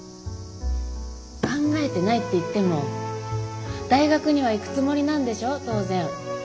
考えてないって言っても大学には行くつもりなんでしょ当然。